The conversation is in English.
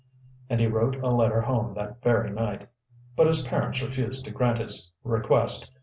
And he wrote a letter home that very night. But his parents refused to grant his request.